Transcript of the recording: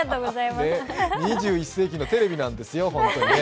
２１世紀のテレビなんですよ、本当にね。